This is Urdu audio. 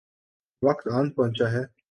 وقت آن پہنچا ہے۔